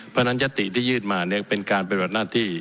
เพราะฉะนั้นยัตติที่ยื่นมาเป็นการปฏิบัติหน้าที่